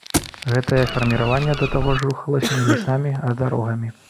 Гэтае фарміраванне да таго ж рухалася не лясамі, а дарогамі.